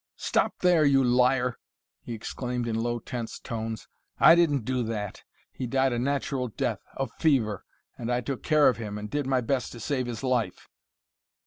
"Stop there, you liar!" he exclaimed in low, tense tones. "I didn't do that. He died a natural death of fever and I took care of him and did my best to save his life."